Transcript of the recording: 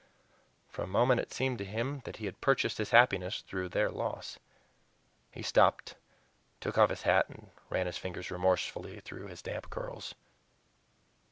For a moment it seemed to him that he had purchased his happiness through their loss. He stopped, took off his hat, and ran his fingers remorsefully through his damp curls.